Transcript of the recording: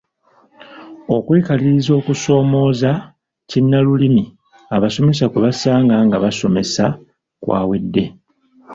Okwekaliriza okusoomooza kinnalulimi abasomesa kwe basanga nga basomesa kwawedde.